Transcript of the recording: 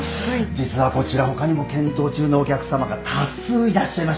実はこちら他にも検討中のお客さまが多数いらっしゃいまして。